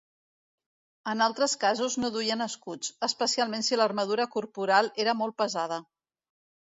En altres casos no duien escuts, especialment si l'armadura corporal era molt pesada.